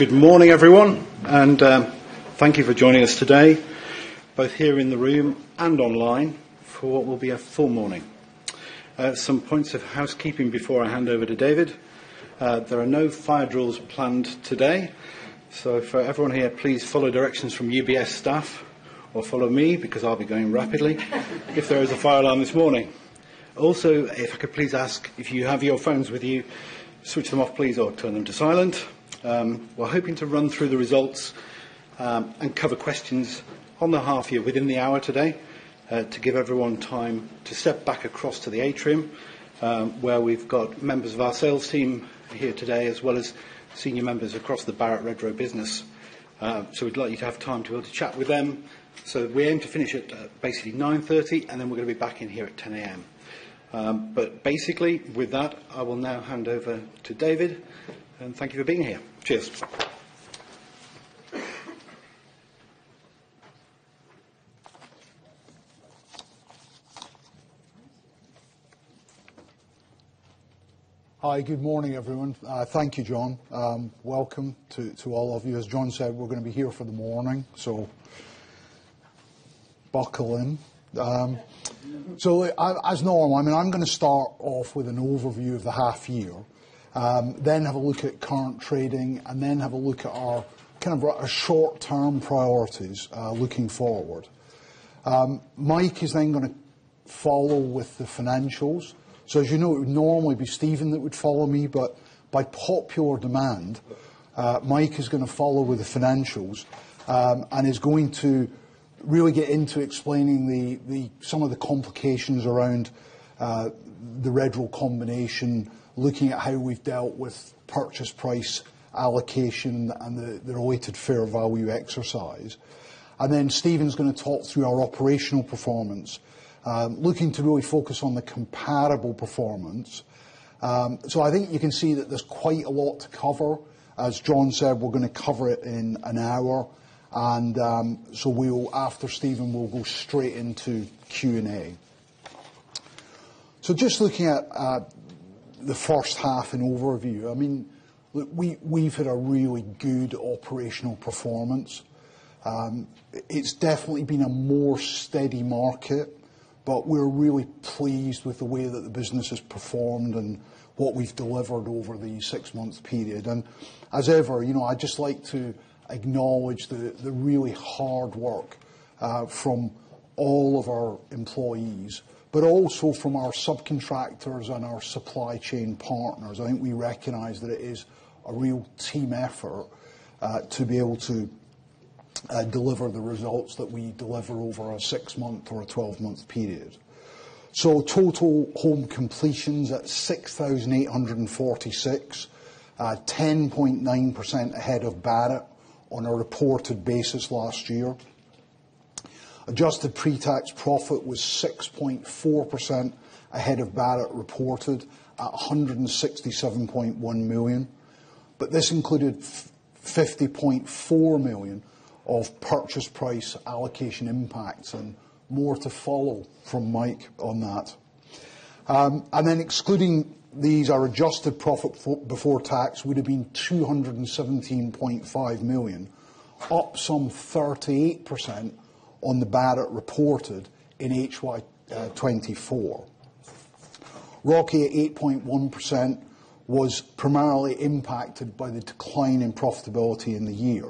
Good morning, everyone, and thank you for joining us today, both here in the room and online, for what will be a full morning. Some points of housekeeping before I hand over to David. There are no fire drills planned today, so for everyone here, please follow directions from UBS staff, or follow me, because I'll be going rapidly if there is a fire alarm this morning. Also, if I could please ask if you have your phones with you, switch them off, please, or turn them to silent. We're hoping to run through the results and cover questions on the half year within the hour today to give everyone time to step back across to the atrium where we've got members of our sales team here today, as well as senior members across the Barratt Redrow business. So we'd like you to have time to be able to chat with them. So we aim to finish at basically 9:30 A.M., and then we're going to be back in here at 10:00 A.M. But basically, with that, I will now hand over to David, and thank you for being here. Cheers. Hi, good morning, everyone. Thank you, John. Welcome to all of you. As John said, we're going to be here for the morning, so buckle in, so as normal, I'm going to start off with an overview of the half year, then have a look at current trading, and then have a look at our kind of short-term priorities looking forward. Mike is then going to follow with the financials, so as you know, it would normally be Steven that would follow me, but by popular demand, Mike is going to follow with the financials and is going to really get into explaining some of the complications around the Redrow combination, looking at how we've dealt with purchase price allocation and the related fair value exercise, and then Steven's going to talk through our operational performance, looking to really focus on the comparable performance. So I think you can see that there's quite a lot to cover. As John said, we're going to cover it in an hour, and so after Steven, we'll go straight into Q&A. So just looking at the first half in overview, I mean, we've had a really good operational performance. It's definitely been a more steady market, but we're really pleased with the way that the business has performed and what we've delivered over the six-month period. And as ever, I'd just like to acknowledge the really hard work from all of our employees, but also from our subcontractors and our supply chain partners. I think we recognize that it is a real team effort to be able to deliver the results that we deliver over a six-month or a twelve-month period. So total home completions at 6,846, 10.9% ahead of Barratt on a reported basis last year. Adjusted pre-tax profit was 6.4% ahead of Barratt reported at 167.1 million, but this included 50.4 million of purchase price allocation impacts and more to follow from Mike on that. Then excluding these, our adjusted profit before tax would have been 217.5 million, up some 38% on the Barratt reported in HY24. ROCE, at 8.1%, was primarily impacted by the decline in profitability in the year.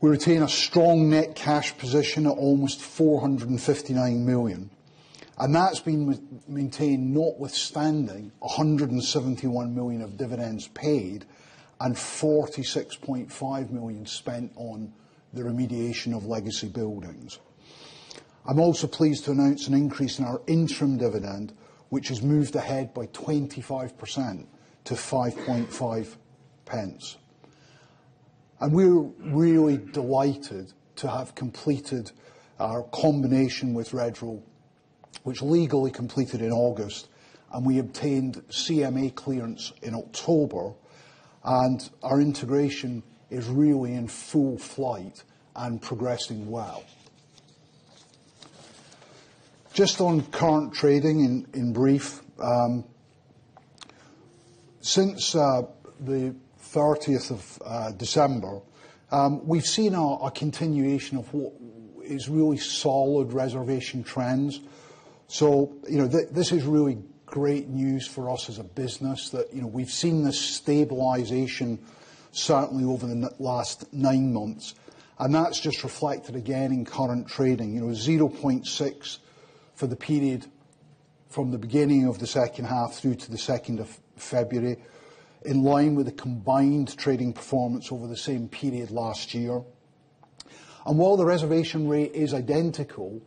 We retain a strong net cash position at almost 459 million, and that's been maintained notwithstanding 171 million of dividends paid and 46.5 million spent on the remediation of legacy buildings. I'm also pleased to announce an increase in our interim dividend, which has moved ahead by 25% to 5.5 pence. We're really delighted to have completed our combination with Redrow, which legally completed in August, and we obtained CMA clearance in October, and our integration is really in full flight and progressing well. Just on current trading in brief, since the 30th of December, we've seen a continuation of what is really solid reservation trends. This is really great news for us as a business that we've seen this stabilization certainly over the last nine months, and that's just reflected again in current trading. 0.6 for the period from the beginning of the second half through to the 2nd of February, in line with the combined trading performance over the same period last year. While the reservation rate is identical,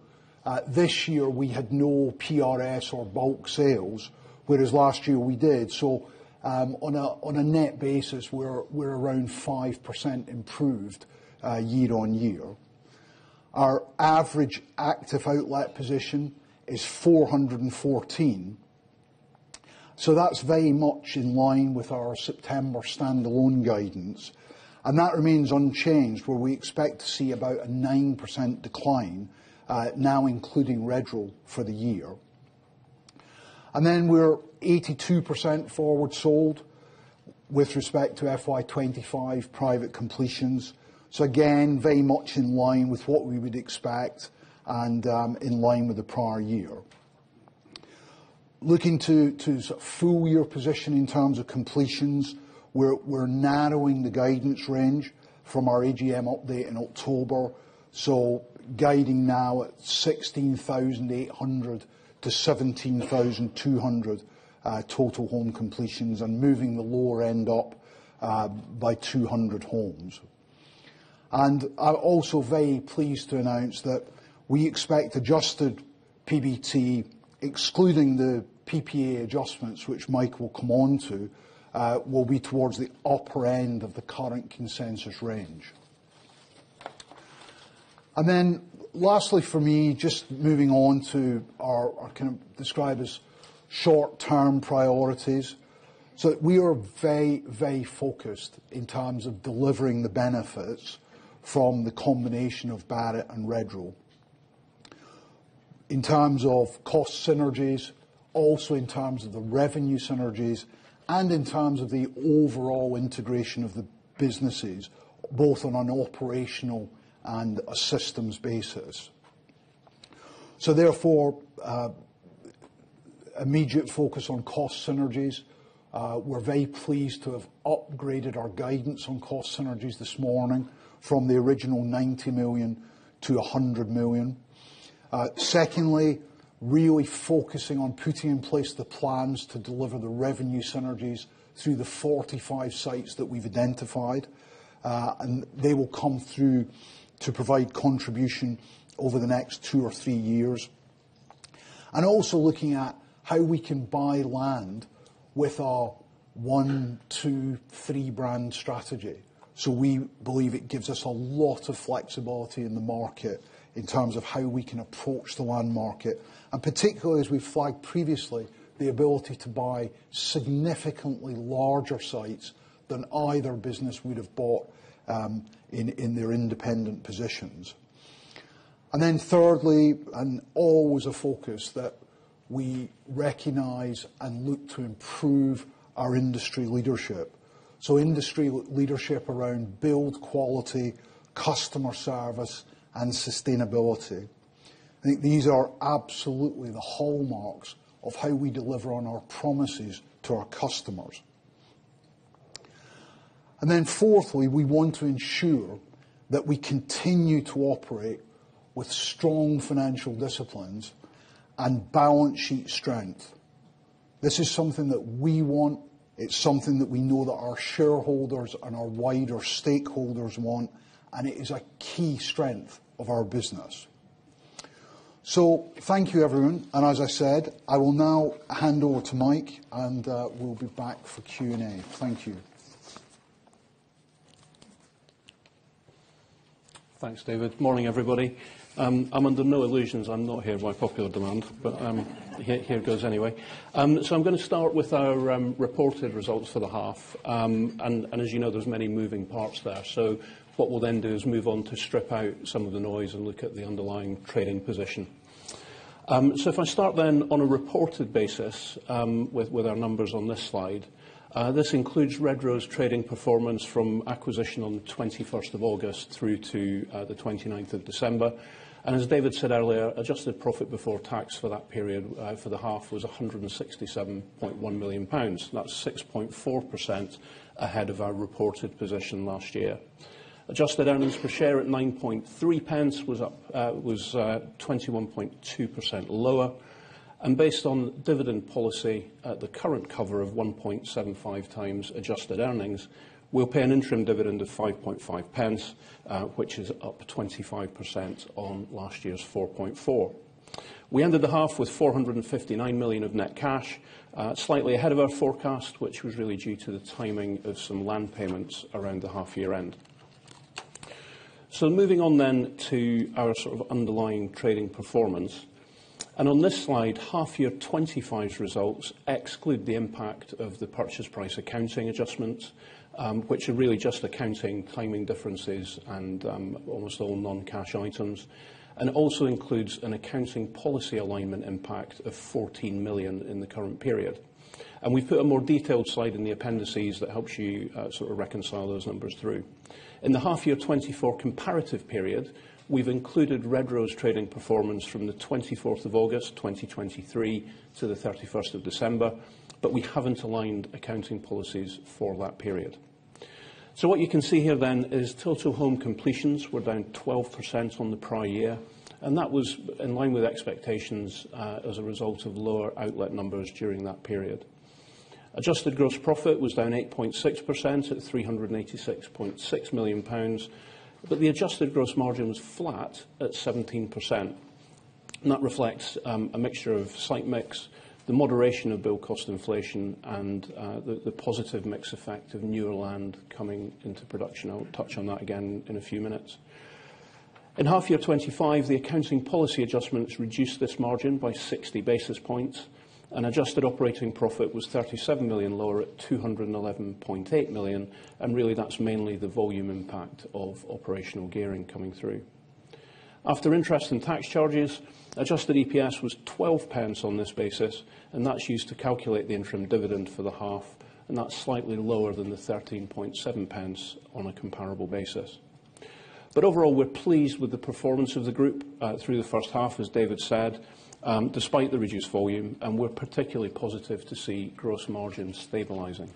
this year we had no PRS or bulk sales, whereas last year we did. On a net basis, we're around 5% improved year on year. Our average active outlet position is 414. That's very much in line with our September standalone guidance, and that remains unchanged, where we expect to see about a 9% decline now, including Redrow for the year. We're 82% forward sold with respect to FY25 private completions. Again, very much in line with what we would expect and in line with the prior year. Looking to sort of full year position in terms of completions, we're narrowing the guidance range from our AGM update in October, so guiding now at 16,800 to 17,200 total home completions and moving the lower end up by 200 homes. I'm also very pleased to announce that we expect adjusted PBT, excluding the PPA adjustments, which Mike will come on to, will be towards the upper end of the current consensus range. And then lastly for me, just moving on to what we kind of describe as short-term priorities. We are very, very focused in terms of delivering the benefits from the combination of Barratt and Redrow. In terms of cost synergies, also in terms of the revenue synergies, and in terms of the overall integration of the businesses, both on an operational and a systems basis. Therefore, immediate focus on cost synergies. We are very pleased to have upgraded our guidance on cost synergies this morning from the original 90 million to 100 million. Secondly, really focusing on putting in place the plans to deliver the revenue synergies through the 45 sites that we have identified, and they will come through to provide contribution over the next two or three years. Also looking at how we can buy land with our one, two, three brand strategy. We believe it gives us a lot of flexibility in the market in terms of how we can approach the land market, and particularly as we've flagged previously, the ability to buy significantly larger sites than either business would have bought in their independent positions. And then thirdly, and always a focus that we recognize and look to improve our industry leadership. Industry leadership around build quality, customer service, and sustainability. I think these are absolutely the hallmarks of how we deliver on our promises to our customers. And then fourthly, we want to ensure that we continue to operate with strong financial disciplines and balance sheet strength. This is something that we want. It's something that we know that our shareholders and our wider stakeholders want, and it is a key strength of our business. Thank you, everyone. As I said, I will now hand over to Mike, and we'll be back for Q&A. Thank you. Thanks, David. Morning, everybody. I'm under no illusions I'm not here by popular demand, but here goes anyway. I'm going to start with our reported results for the half, and as you know, there's many moving parts there. What we'll then do is move on to strip out some of the noise and look at the underlying trading position. If I start then on a reported basis with our numbers on this slide, this includes Redrow's trading performance from acquisition on the 21st of August through to the 29th of December. As David said earlier, adjusted profit before tax for that period for the half was 167.1 million pounds. That's 6.4% ahead of our reported position last year. Adjusted earnings per share at 9.3 pence was 21.2% lower. And based on dividend policy at the current cover of 1.75 times adjusted earnings, we'll pay an interim dividend of 0.055, which is up 25% on last year's 0.044. We ended the half with 459 million of net cash, slightly ahead of our forecast, which was really due to the timing of some land payments around the half-year end. So moving on then to our sort of underlying trading performance. And on this slide, half-year 2025 results exclude the impact of the purchase price accounting adjustments, which are really just accounting timing differences and almost all non-cash items. And it also includes an accounting policy alignment impact of 14 million in the current period. And we've put a more detailed slide in the appendices that helps you sort of reconcile those numbers through. In the half year 24 comparative period, we've included Redrow's trading performance from the 24th of August 2023 to the 31st of December, but we haven't aligned accounting policies for that period, so what you can see here then is total home completions were down 12% on the prior year, and that was in line with expectations as a result of lower outlet numbers during that period. Adjusted gross profit was down 8.6% at 386.6 million pounds, but the adjusted gross margin was flat at 17%, and that reflects a mixture of site mix, the moderation of build cost inflation, and the positive mix effect of newer land coming into production. I'll touch on that again in a few minutes. In half year 25, the accounting policy adjustments reduced this margin by 60 basis points, and adjusted operating profit was 37 million lower at 211.8 million. Really, that's mainly the volume impact of operational gearing coming through. After interest and tax charges, adjusted EPS was 0.12 on this basis, and that's used to calculate the interim dividend for the half, and that's slightly lower than the 0.137 on a comparable basis. Overall, we're pleased with the performance of the group through the first half, as David said, despite the reduced volume, and we're particularly positive to see gross margins stabilizing.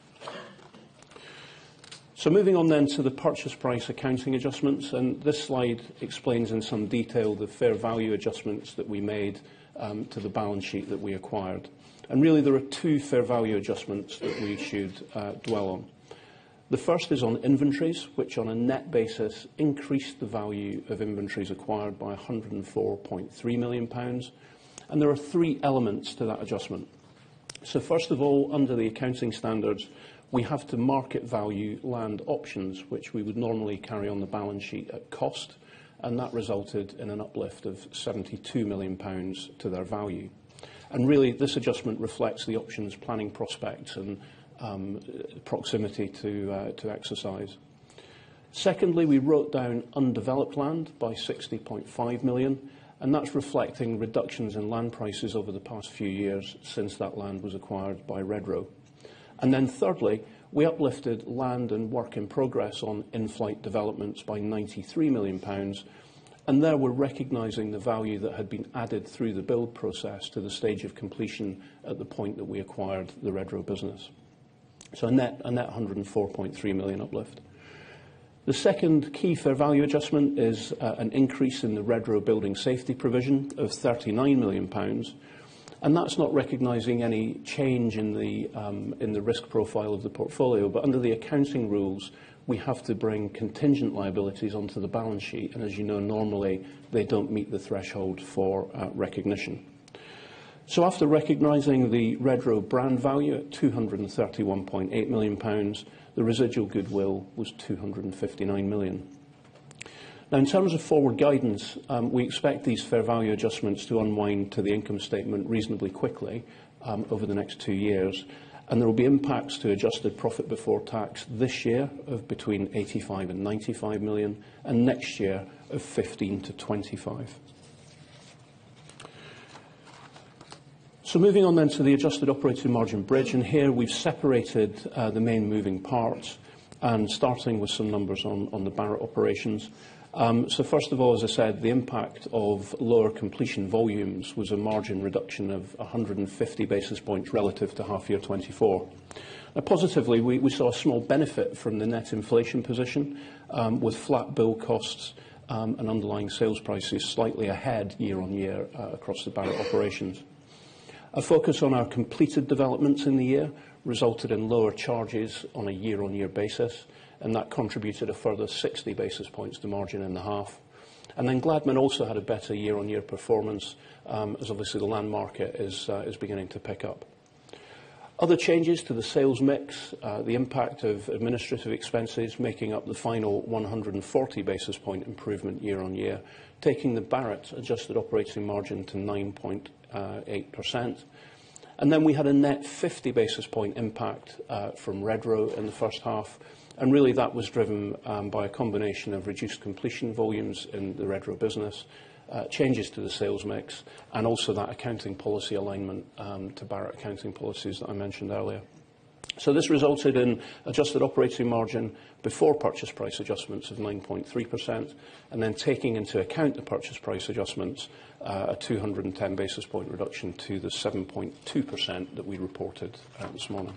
Moving on then to the purchase price accounting adjustments, and this slide explains in some detail the fair value adjustments that we made to the balance sheet that we acquired. Really, there are two fair value adjustments that we should dwell on. The first is on inventories, which on a net basis increased the value of inventories acquired by 104.3 million pounds. There are three elements to that adjustment. First of all, under the accounting standards, we have to market value land options, which we would normally carry on the balance sheet at cost, and that resulted in an uplift of 72 million pounds to their value. Really, this adjustment reflects the options planning prospects and proximity to exercise. Secondly, we wrote down undeveloped land by 60.5 million, and that's reflecting reductions in land prices over the past few years since that land was acquired by Redrow. Then thirdly, we uplifted land and work in progress on in-flight developments by 93 million pounds, and there we're recognizing the value that had been added through the build process to the stage of completion at the point that we acquired the Redrow business. A net 104.3 million uplift. The second key fair value adjustment is an increase in the Redrow building safety provision of 39 million pounds, and that's not recognizing any change in the risk profile of the portfolio, but under the accounting rules, we have to bring contingent liabilities onto the balance sheet, and as you know, normally they don't meet the threshold for recognition. So after recognizing the Redrow brand value at 231.8 million pounds, the residual goodwill was 259 million. Now, in terms of forward guidance, we expect these fair value adjustments to unwind to the income statement reasonably quickly over the next two years, and there will be impacts to adjusted profit before tax this year of between 85 million and 95 million, and next year of 15-25 million. So moving on then to the adjusted operating margin bridge, and here we've separated the main moving parts and starting with some numbers on the Barratt operations. So first of all, as I said, the impact of lower completion volumes was a margin reduction of 150 basis points relative to half year 2024. Now, positively, we saw a small benefit from the net inflation position with flat build costs and underlying sales prices slightly ahead year on year across the Barratt operations. A focus on our completed developments in the year resulted in lower charges on a year on year basis, and that contributed a further 60 basis points to margin in the half. And then Gladman also had a better year on year performance as obviously the land market is beginning to pick up. Other changes to the sales mix, the impact of administrative expenses making up the final 140 basis point improvement year on year, taking the Barratt adjusted operating margin to 9.8%. And then we had a net 50 basis point impact from Redrow in the first half, and really that was driven by a combination of reduced completion volumes in the Redrow business, changes to the sales mix, and also that accounting policy alignment to Barratt accounting policies that I mentioned earlier. So this resulted in adjusted operating margin before purchase price adjustments of 9.3%, and then taking into account the purchase price adjustments, a 210 basis point reduction to the 7.2% that we reported this morning.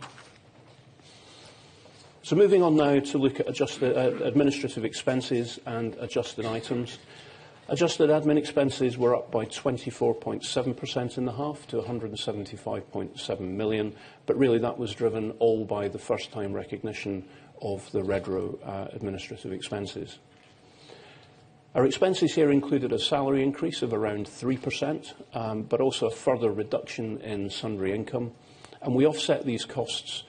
So moving on now to look at adjusted administrative expenses and adjusted items. Adjusted admin expenses were up by 24.7% in the half to 175.7 million, but really that was driven all by the first time recognition of the Redrow administrative expenses. Our expenses here included a salary increase of around 3%, but also a further reduction in sundry income, and we offset these costs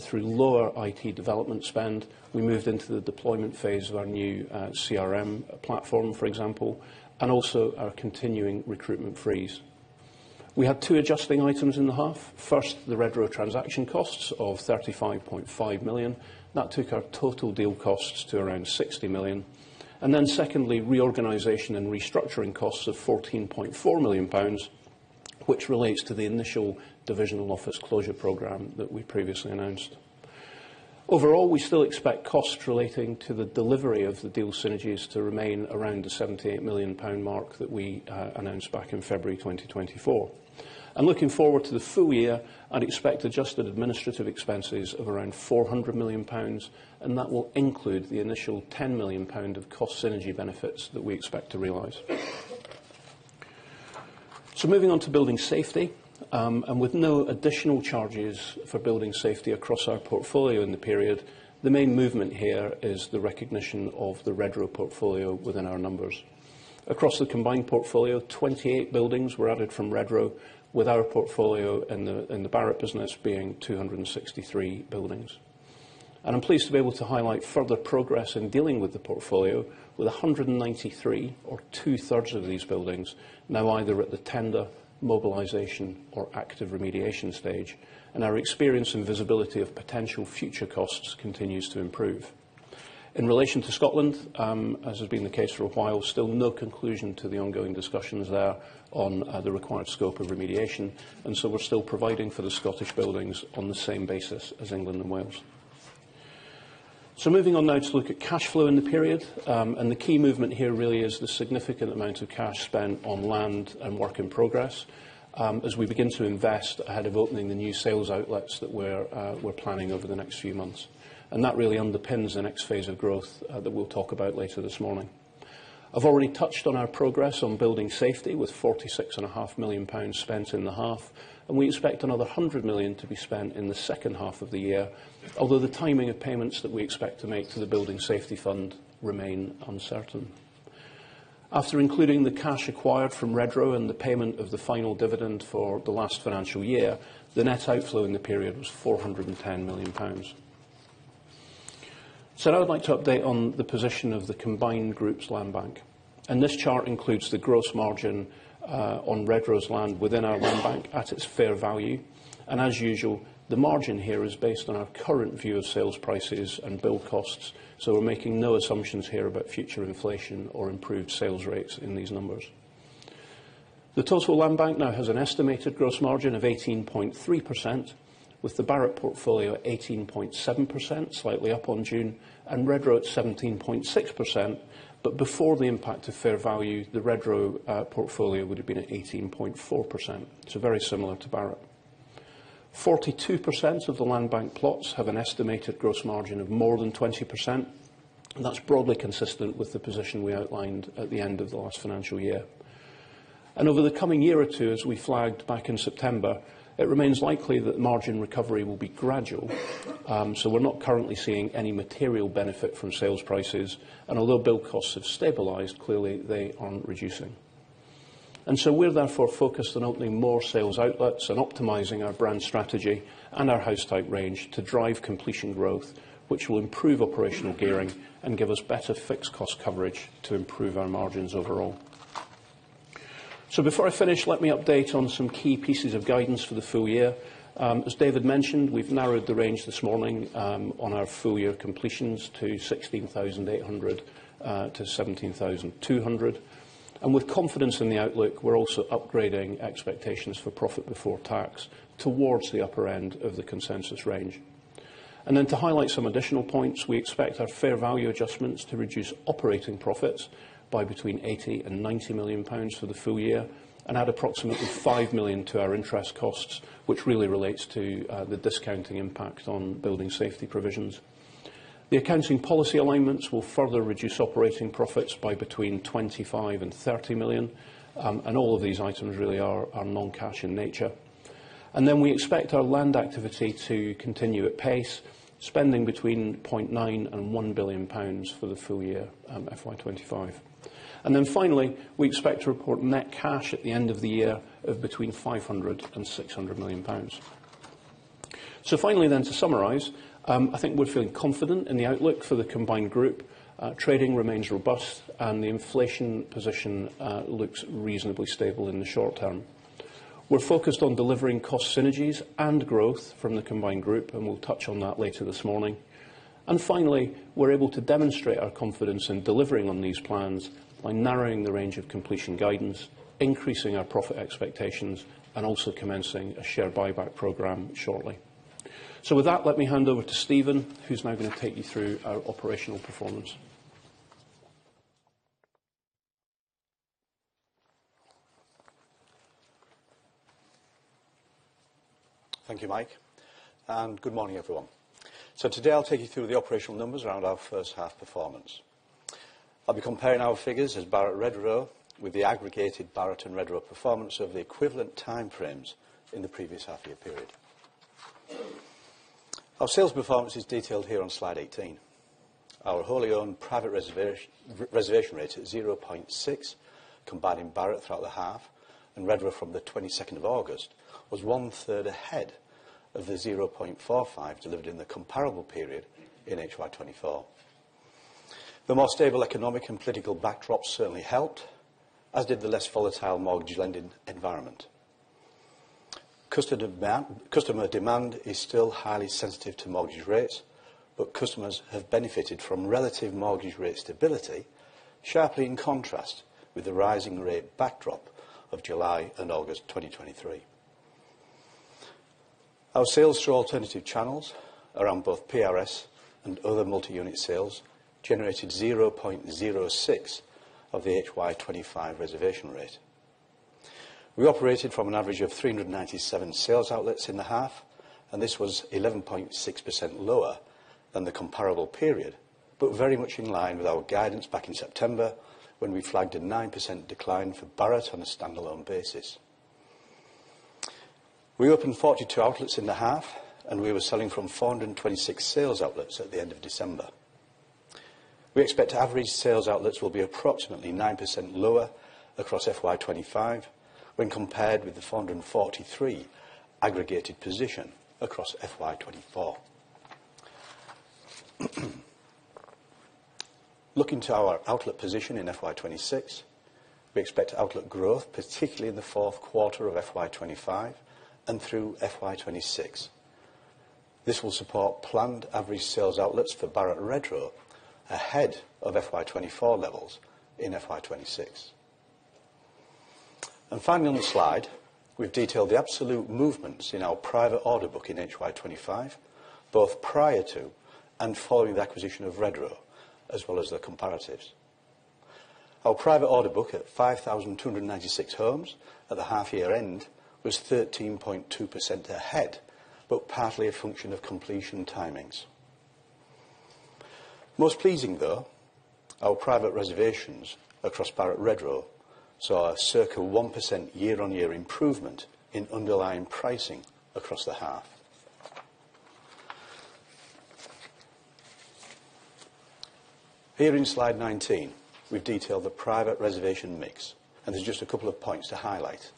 through lower IT development spend. We moved into the deployment phase of our new CRM platform, for example, and also our continuing recruitment freeze. We had two adjusting items in the half. First, the Redrow transaction costs of 35.5 million. That took our total deal costs to around 60 million. And then secondly, reorganization and restructuring costs of 14.4 million pounds, which relates to the initial divisional office closure program that we previously announced. Overall, we still expect costs relating to the delivery of the deal synergies to remain around the 78 million pound mark that we announced back in February 2024, and looking forward to the full year, I'd expect adjusted administrative expenses of around 400 million pounds, and that will include the initial 10 million pound of cost synergy benefits that we expect to realize, so moving on to building safety, and with no additional charges for building safety across our portfolio in the period, the main movement here is the recognition of the Redrow portfolio within our numbers. Across the combined portfolio, 28 buildings were added from Redrow with our portfolio and the Barratt business being 263 buildings. And I'm pleased to be able to highlight further progress in dealing with the portfolio with 193 or two-thirds of these buildings now either at the tender, mobilization, or active remediation stage, and our experience and visibility of potential future costs continues to improve. In relation to Scotland, as has been the case for a while, still no conclusion to the ongoing discussions there on the required scope of remediation, and so we're still providing for the Scottish buildings on the same basis as England and Wales. So moving on now to look at cash flow in the period, and the key movement here really is the significant amount of cash spent on land and work in progress as we begin to invest ahead of opening the new sales outlets that we're planning over the next few months. And that really underpins the next phase of growth that we'll talk about later this morning. I've already touched on our progress on building safety with 46.5 million pounds spent in the half, and we expect another 100 million to be spent in the second half of the year, although the timing of payments that we expect to make to the Building Safety Fund remain uncertain. After including the cash acquired from Redrow and the payment of the final dividend for the last financial year, the net outflow in the period was 410 million pounds. So now I'd like to update on the position of the combined group's land bank, and this chart includes the gross margin on Redrow's land within our land bank at its fair value, and as usual, the margin here is based on our current view of sales prices and build costs, so we're making no assumptions here about future inflation or improved sales rates in these numbers. The total land bank now has an estimated gross margin of 18.3%, with the Barratt portfolio at 18.7%, slightly up on June, and Redrow at 17.6%, but before the impact of fair value, the Redrow portfolio would have been at 18.4%. It's very similar to Barratt. 42% of the land bank plots have an estimated gross margin of more than 20%, and that's broadly consistent with the position we outlined at the end of the last financial year. Over the coming year or two, as we flagged back in September, it remains likely that margin recovery will be gradual, so we're not currently seeing any material benefit from sales prices, and although bill costs have stabilized, clearly they aren't reducing. We're therefore focused on opening more sales outlets and optimizing our brand strategy and our house type range to drive completion growth, which will improve operational gearing and give us better fixed cost coverage to improve our margins overall. Before I finish, let me update on some key pieces of guidance for the full year. As David mentioned, we've narrowed the range this morning on our full year completions to 16,800 to 17,200, and with confidence in the outlook, we're also upgrading expectations for profit before tax towards the upper end of the consensus range. Then to highlight some additional points, we expect our fair value adjustments to reduce operating profits by between 80 million and 90 million pounds for the full year and add approximately 5 million to our interest costs, which really relates to the discounting impact on building safety provisions. The accounting policy alignments will further reduce operating profits by between 25 million and 30 million, and all of these items really are non-cash in nature. Then we expect our land activity to continue at pace, spending between 0.9 billion and 1 billion pounds for the full year, FY25. Then finally, we expect to report net cash at the end of the year of between 500 million pounds and 600 million pounds. Finally then, to summarize, I think we're feeling confident in the outlook for the combined group. Trading remains robust, and the inflation position looks reasonably stable in the short term. We're focused on delivering cost synergies and growth from the combined group, and we'll touch on that later this morning. And finally, we're able to demonstrate our confidence in delivering on these plans by narrowing the range of completion guidance, increasing our profit expectations, and also commencing a share buyback program shortly. So with that, let me hand over to Steven, who's now going to take you through our operational performance. Thank you, Mike. And good morning, everyone. So today I'll take you through the operational numbers around our first half performance. I'll be comparing our figures as Barratt Redrow with the aggregated Barratt and Redrow performance over the equivalent time frames in the previous half year period. Our sales performance is detailed here on slide 18. Our wholly owned private reservation rate at 0.6, combining Barratt throughout the half, and Redrow from the 22nd of August was one-third ahead of the 0.45 delivered in the comparable period in HY24. The more stable economic and political backdrop certainly helped, as did the less volatile mortgage lending environment. Customer demand is still highly sensitive to mortgage rates, but customers have benefited from relative mortgage rate stability, sharply in contrast with the rising rate backdrop of July and August 2023. Our sales through alternative channels around both PRS and other multi-unit sales generated 0.06 of the HY25 reservation rate. We operated from an average of 397 sales outlets in the half, and this was 11.6% lower than the comparable period, but very much in line with our guidance back in September when we flagged a 9% decline for Barratt on a standalone basis. We opened 42 outlets in the half, and we were selling from 426 sales outlets at the end of December. We expect average sales outlets will be approximately 9% lower across FY25 when compared with the 443 aggregated position across FY24. Looking to our outlet position in FY26, we expect outlet growth, particularly in the fourth quarter of FY25 and through FY26. This will support planned average sales outlets for Barratt Redrow ahead of FY24 levels in FY26. Finally, on the slide, we've detailed the absolute movements in our private order book in HY25, both prior to and following the acquisition of Redrow, as well as the comparatives. Our private order book at 5,296 homes at the half year end was 13.2% ahead, but partly a function of completion timings. Most pleasing, though, our private reservations across Barratt Redrow saw a circa 1% year on year improvement in underlying pricing across the half. Here in slide 19, we've detailed the private reservation mix, and there's just a couple of points to highlight.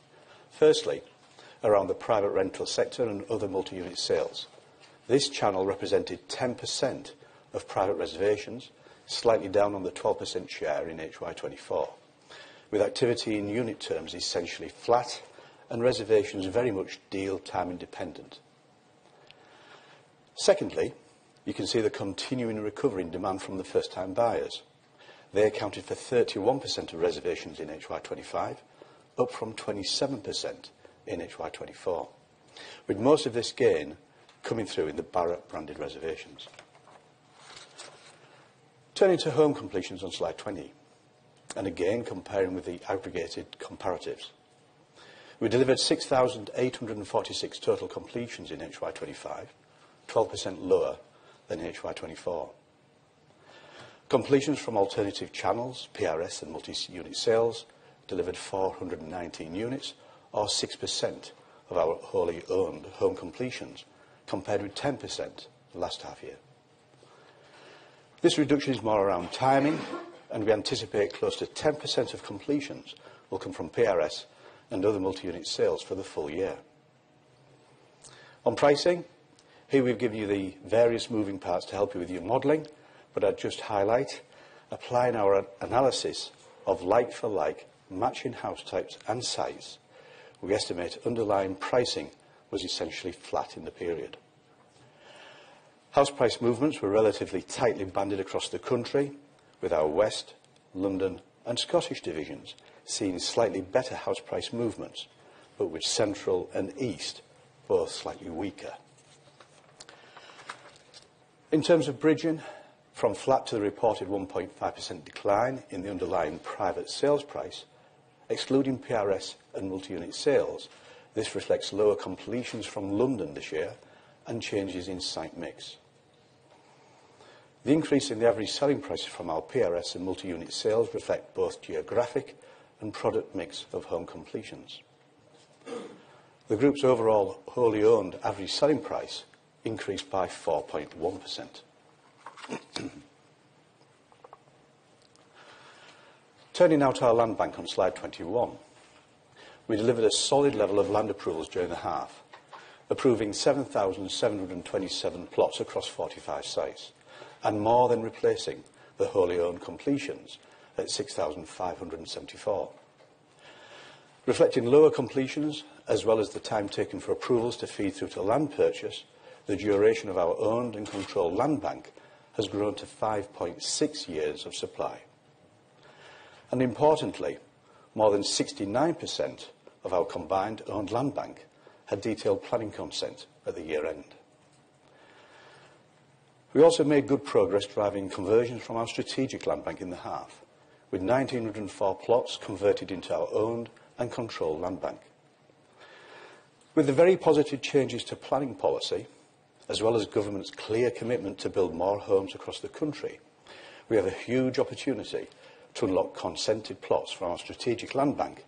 Firstly, around the private rental sector and other multi-unit sales, this channel represented 10% of private reservations, slightly down on the 12% share in HY24, with activity in unit terms essentially flat and reservations very much deal timing dependent. Secondly, you can see the continuing recovery in demand from the first-time buyers. They accounted for 31% of reservations in HY25, up from 27% in HY24, with most of this gain coming through in the Barratt branded reservations. Turning to home completions on slide 20, and again comparing with the aggregated comparatives, we delivered 6,846 total completions in HY25, 12% lower than HY24. Completions from alternative channels, PRS and multi-unit sales delivered 419 units, or 6% of our wholly owned home completions compared with 10% the last half year. This reduction is more around timing, and we anticipate close to 10% of completions will come from PRS and other multi-unit sales for the full year. On pricing, here we've given you the various moving parts to help you with your modeling, but I'd just highlight, applying our analysis of like-for-like matching house types and size, we estimate underlying pricing was essentially flat in the period. House price movements were relatively tightly banded across the country, with our West, London, and Scottish divisions seeing slightly better house price movements, but with Central and East both slightly weaker. In terms of bridging from flat to the reported 1.5% decline in the underlying private sales price, excluding PRS and multi-unit sales, this reflects lower completions from London this year and changes in site mix. The increase in the average selling prices from our PRS and multi-unit sales reflects both geographic and product mix of home completions. The group's overall wholly owned average selling price increased by 4.1%. Turning now to our land bank on slide 21, we delivered a solid level of land approvals during the half, approving 7,727 plots across 45 sites and more than replacing the wholly owned completions at 6,574. Reflecting lower completions as well as the time taken for approvals to feed through to land purchase, the duration of our owned and controlled land bank has grown to 5.6 years of supply. Importantly, more than 69% of our combined owned land bank had detailed planning consent at the year end. We also made good progress driving conversions from our strategic land bank in the half, with 1,904 plots converted into our owned and controlled land bank. With the very positive changes to planning policy, as well as government's clear commitment to build more homes across the country, we have a huge opportunity to unlock consented plots from our strategic land bank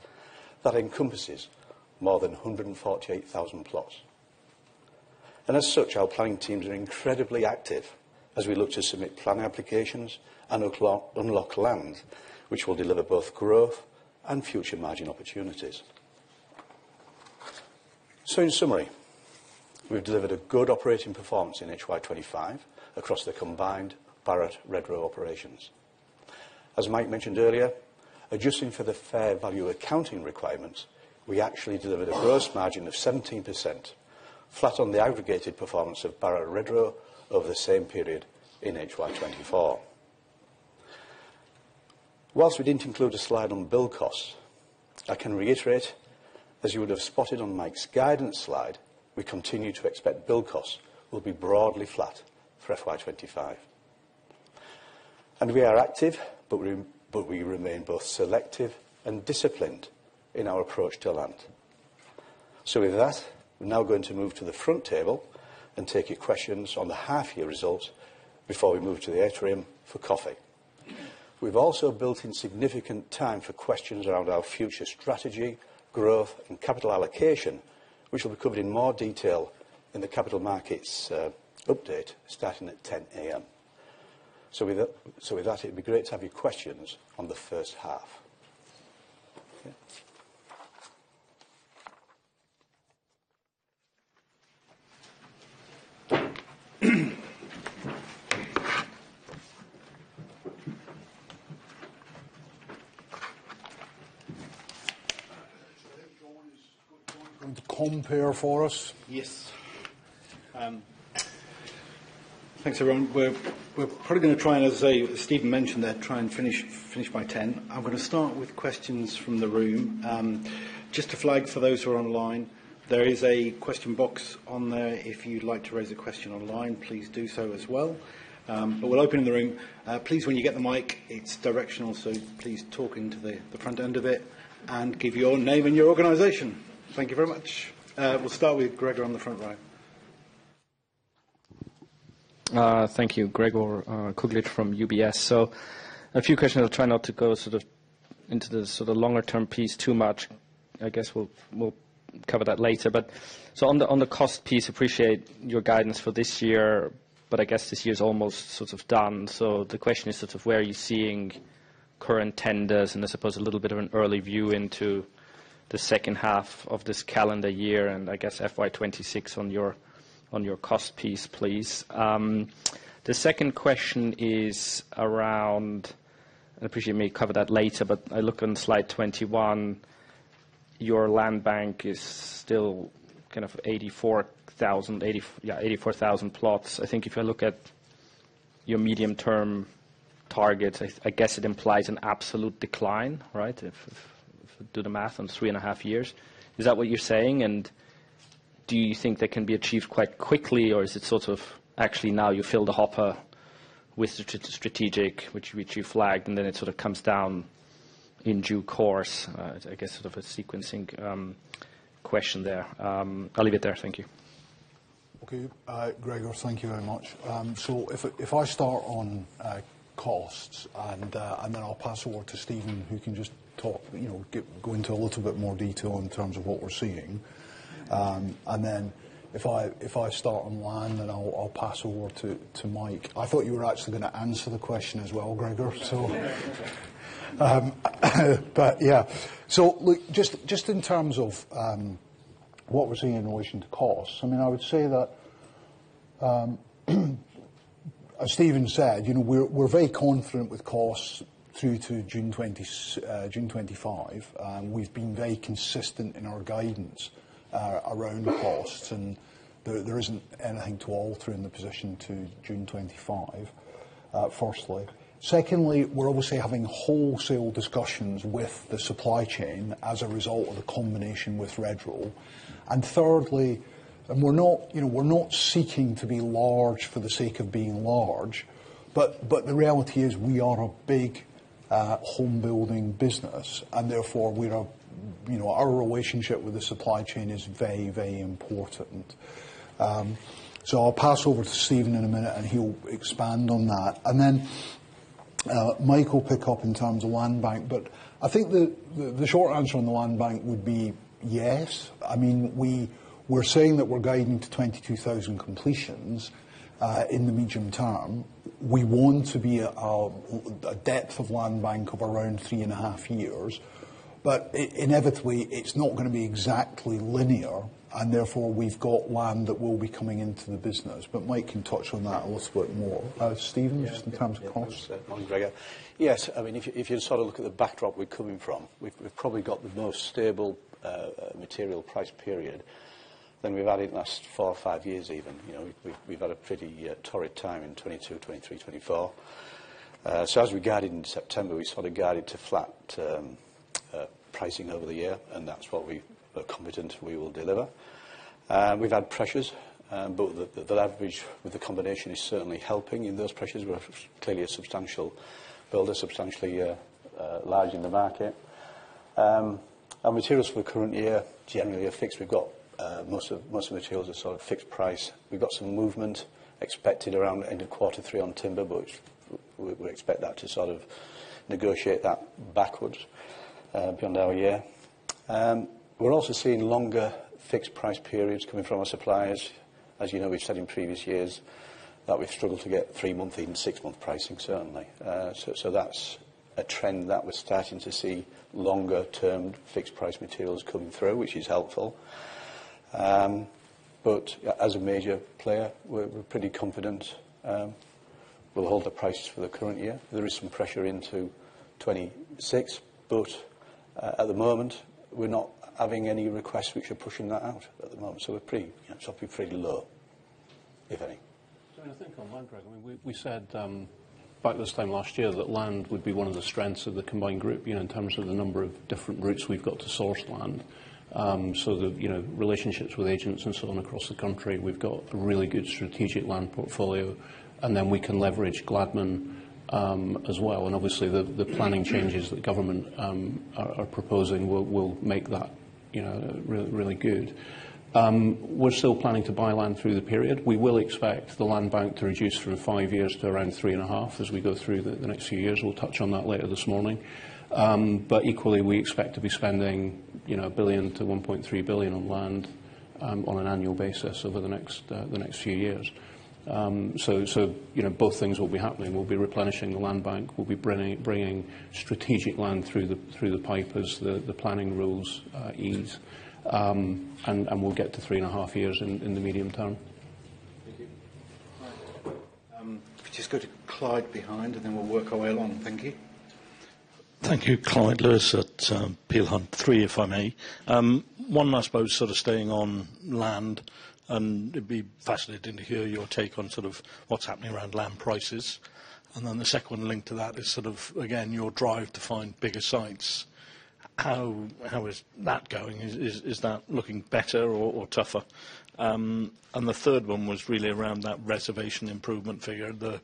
that encompasses more than 148,000 plots. As such, our planning teams are incredibly active as we look to submit plan applications and unlock land, which will deliver both growth and future margin opportunities. So in summary, we've delivered a good operating performance in HY25 across the combined Barratt Redrow operations. As Mike mentioned earlier, adjusting for the fair value accounting requirements, we actually delivered a gross margin of 17%, flat on the aggregated performance of Barratt Redrow over the same period in HY24. While we didn't include a slide on build costs, I can reiterate, as you would have spotted on Mike's guidance slide, we continue to expect build costs will be broadly flat for FY25. And we are active, but we remain both selective and disciplined in our approach to land. So with that, we're now going to move to the front table and take your questions on the half year results before we move to the atrium for coffee. We've also built in significant time for questions around our future strategy, growth, and capital allocation, which will be covered in more detail in the capital markets update starting at 10:00 A.M. So with that, it'd be great to have your questions on the first half. Can you compare for us? Yes. Thanks, everyone. We're probably going to try, as Steven mentioned there, try and finish by 10:00 A.M. I'm going to start with questions from the room. Just a flag for those who are online, there is a question box on there. If you'd like to raise a question online, please do so as well. But we'll open in the room. Please, when you get the mic, it's directional, so please talk into the front end of it and give your name and your organization. Thank you very much. We'll start with Gregor on the front row. Thank you, Gregor Kuglitsch from UBS. So a few questions. I'll try not to go sort of into the sort of longer-term piece too much. I guess we'll cover that later. But so on the cost piece, appreciate your guidance for this year, but I guess this year's almost sort of done. So the question is sort of where are you seeing current tenders and, I suppose, a little bit of an early view into the second half of this calendar year and, I guess, FY26 on your cost piece, please. The second question is around, and I appreciate you may cover that later, but I look on slide 21, your land bank is still kind of 84,000 plots. I think if you look at your medium-term targets, I guess it implies an absolute decline, right? If we do the math on three and a half years, is that what you're saying? And do you think that can be achieved quite quickly, or is it sort of actually now you fill the hopper with the strategic, which you flagged, and then it sort of comes down in due course? I guess sort of a sequencing question there. I'll leave it there. Thank you. Okay, Gregor, thank you very much. So if I start on costs and then I'll pass over to Steven, who can just talk, go into a little bit more detail in terms of what we're seeing. And then if I start on land, then I'll pass over to Mike. I thought you were actually going to answer the question as well, Gregor. But yeah. So just in terms of what we're seeing in relation to costs, I mean, I would say that, as Steven said, we're very confident with costs through to June 2025. We've been very consistent in our guidance around costs, and there isn't anything to alter in the position to June 2025, firstly. Secondly, we're obviously having wholesale discussions with the supply chain as a result of the combination with Redrow. Thirdly, we're not seeking to be large for the sake of being large, but the reality is we are a big home-building business, and therefore our relationship with the supply chain is very, very important. So I'll pass over to Steven in a minute, and he'll expand on that. And then Mike will pick up in terms of land bank, but I think the short answer on the land bank would be yes. I mean, we're saying that we're guiding to 22,000 completions in the medium term. We want to be a depth of land bank of around three and a half years, but inevitably, it's not going to be exactly linear, and therefore we've got land that will be coming into the business. But Mike can touch on that a little bit more. Steven, just in terms of costs. Yes, I mean, if you sort of look at the backdrop we're coming from, we've probably got the most stable material price period than we've had in the last four or five years even. We've had a pretty torrid time in 2022, 2023, 2024. So as we guided in September, we sort of guided to flat pricing over the year, and that's what we are confident we will deliver. We've had pressures, but the leverage with the combination is certainly helping in those pressures. We're clearly a substantial builder, substantially large in the market. And materials for the current year, generally a fix. We've got most of the materials are sort of fixed price. We've got some movement expected around end of quarter three on timber, but we expect that to sort of negotiate that backwards beyond our year. We're also seeing longer fixed price periods coming from our suppliers. As you know, we've said in previous years that we've struggled to get three-month and six-month pricing, certainly. So that's a trend that we're starting to see longer-term fixed price materials coming through, which is helpful. But as a major player, we're pretty confident we'll hold the prices for the current year. There is some pressure into 2026, but at the moment, we're not having any requests which are pushing that out at the moment. So we're probably pretty low, if any. I think on land, Greg, I mean, we said back this time last year that land would be one of the strengths of the combined group in terms of the number of different routes we've got to source land. So the relationships with agents and so on across the country, we've got a really good strategic land portfolio, and then we can leverage Gladman as well. And obviously, the planning changes that government are proposing will make that really good. We're still planning to buy land through the period. We will expect the land bank to reduce from five years to around three and a half as we go through the next few years. We'll touch on that later this morning. But equally, we expect to be spending 1 billion-1.3 billion on land on an annual basis over the next few years. So both things will be happening. We'll be replenishing the land bank. We'll be bringing strategic land through the pipelines, as the planning rules ease, and we'll get to three and a half years in the medium term. Thank you. If you just go to Clyde behind, and then we'll work our way along. Thank you. Thank you, Clyde Lewis at Peel Hunt. Three, if I may. One, I suppose, sort of staying on land, and it'd be fascinating to hear your take on sort of what's happening around land prices. And then the second one linked to that is sort of, again, your drive to find bigger sites. How is that going? Is that looking better or tougher? And the third one was really around that reservation improvement figure, the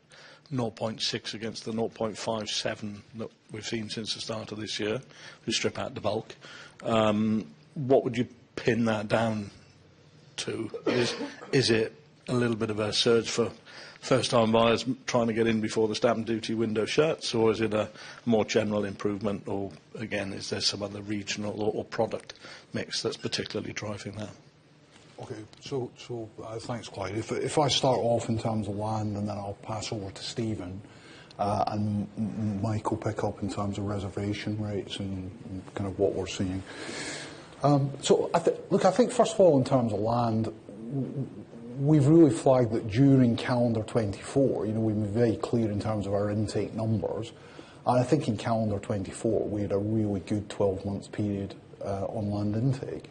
0.6 against the 0.57 that we've seen since the start of this year. We strip out the bulk. What would you pin that down to? Is it a little bit of a surge for first-time buyers trying to get in before the stamp duty window shuts, or is it a more general improvement? Or again, is there some other regional or product mix that's particularly driving that? Okay, so thanks, Clyde. If I start off in terms of land, and then I'll pass over to Steven, and Mike will pick up in terms of reservation rates and kind of what we're seeing. So look, I think first of all, in terms of land, we've really flagged that during calendar 2024, we were very clear in terms of our intake numbers. And I think in calendar 2024, we had a really good 12-month period on land intake.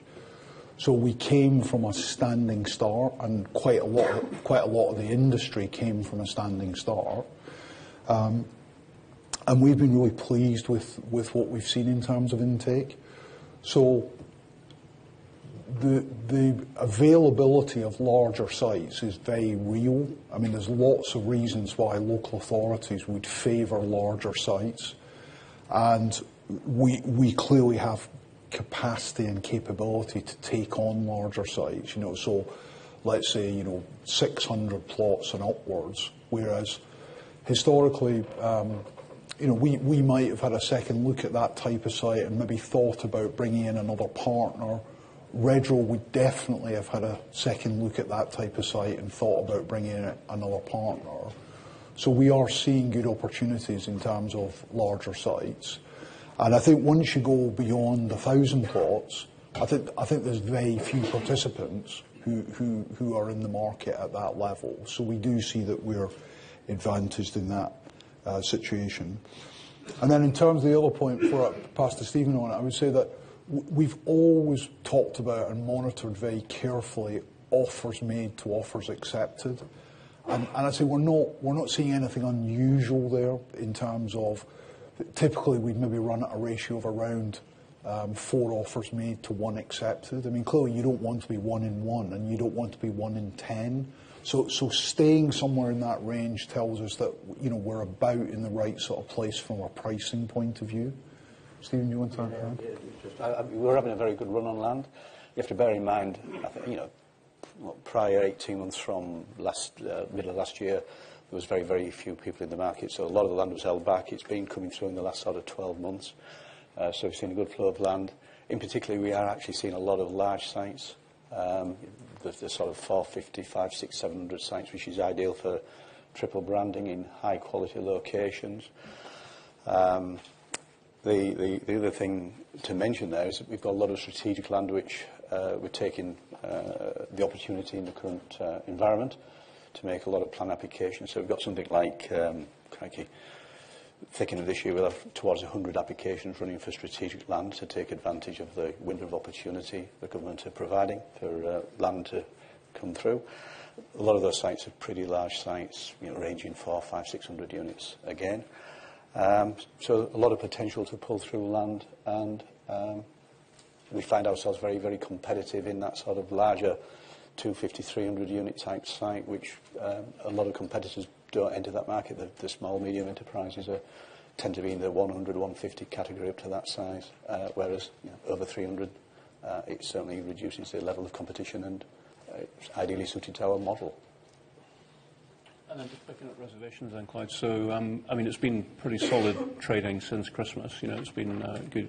So we came from a standing start, and quite a lot of the industry came from a standing start. And we've been really pleased with what we've seen in terms of intake. So the availability of larger sites is very real. I mean, there's lots of reasons why local authorities would favor larger sites. And we clearly have capacity and capability to take on larger sites. So let's say 600 plots and upwards, whereas historically, we might have had a second look at that type of site and maybe thought about bringing in another partner. Redrow would definitely have had a second look at that type of site and thought about bringing in another partner. So we are seeing good opportunities in terms of larger sites. And I think once you go beyond 1,000 plots, I think there's very few participants who are in the market at that level. So we do see that we're advantaged in that situation. And then in terms of the other point for us to Steven on, I would say that we've always talked about and monitored very carefully offers made to offers accepted. And I say we're not seeing anything unusual there in terms of typically we'd maybe run at a ratio of around four offers made to one accepted. I mean, clearly, you don't want to be one in one, and you don't want to be one in ten. So staying somewhere in that range tells us that we're about in the right sort of place from a pricing point of view. Steven, do you want to add? Yeah, we're having a very good run on land. You have to bear in mind prior 18 months from middle of last year, there was very, very few people in the market. So a lot of the land was held back. It's been coming through in the last sort of 12 months. So we've seen a good flow of land. In particular, we are actually seeing a lot of large sites, the sort of 450, 500, 600, 700 sites, which is ideal for triple branding in high-quality locations. The other thing to mention there is that we've got a lot of strategic land, which we're taking the opportunity in the current environment to make a lot of plan applications. So we've got something like, thinking of this year, we'll have towards 100 applications running for strategic land to take advantage of the window of opportunity the government is providing for land to come through. A lot of those sites are pretty large sites, ranging 400, 500, 600 units again. So a lot of potential to pull through land. And we find ourselves very, very competitive in that sort of larger 250, 300 unit type site, which a lot of competitors don't enter that market. The small, medium enterprises tend to be in the 100, 150 category up to that size, whereas over 300, it certainly reduces the level of competition and ideally suited to our model. And then just picking up reservations then, Clyde. So I mean, it's been pretty solid trading since Christmas. It's been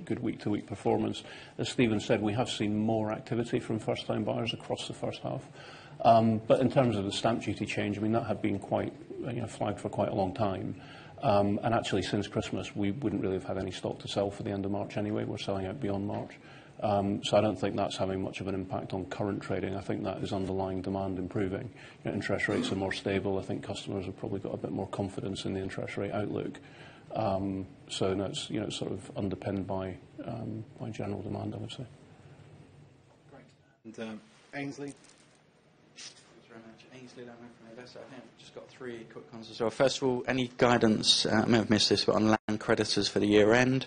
good week-to-week performance. As Steven said, we have seen more activity from first-time buyers across the first half. But in terms of the Stamp Duty change, I mean, that had been flagged for quite a long time. And actually, since Christmas, we wouldn't really have had any stock to sell for the end of March anyway. We're selling out beyond March. So I don't think that's having much of an impact on current trading. I think that is underlying demand improving. Interest rates are more stable. I think customers have probably got a bit more confidence in the interest rate outlook. So that's sort of underpinned by general demand, I would say. Great. And Aynsley. Thanks very much. Aynsley Lammin down here from Investec. I've just got three quick ones. So first of all, any guidance? I may have missed this, but on land creditors for the year-end.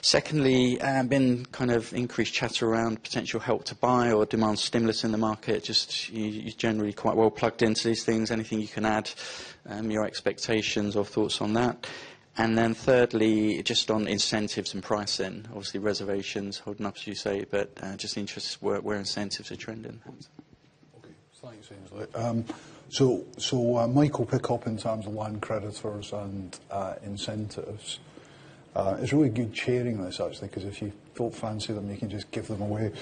Secondly, been kind of increased chatter around potential Help to Buy or demand stimulus in the market. Just you're generally quite well plugged into these things. Anything you can add, your expectations or thoughts on that? And then thirdly, just on incentives and pricing. Obviously, reservations holding up, as you say, but just interest where incentives are trending. Okay, thanks, Aynsley. So Mike will pick up in terms of land creditors and incentives. It's really good sharing this, actually, because if you don't fancy them, you can just give them away.